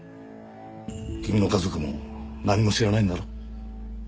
君の家族も何も知らないんだろ？